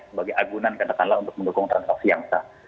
sebagai agunan katakanlah untuk mendukung transaksi yang sah